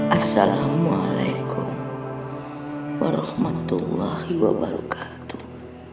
assalamualaikum warahmatullahi wabarakatuh